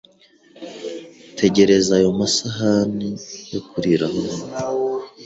Tegereze ayo masahani yo kuriraho hano